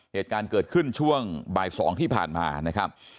เหตุการณ์เกิดขึ้นช่วงบ่าย๒ที่ผ่านมานะครับ